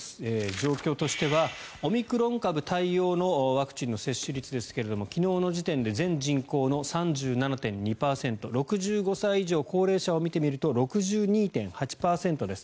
状況としてはオミクロン株対応のワクチンの接種率ですが昨日の時点で全人口の３７．２％６５歳以上、高齢者を見てみると６２．８％です。